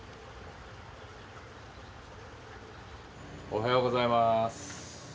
おはようございます。